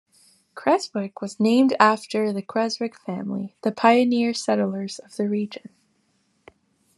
Creswick was named after the Creswick family, the pioneer settlers of the region.